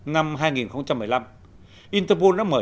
năm hai nghìn một mươi năm interpol đã mở